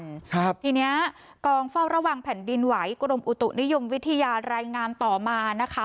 ครับทีเนี้ยกองเฝ้าระวังแผ่นดินไหวกรมอุตุนิยมวิทยารายงานต่อมานะคะ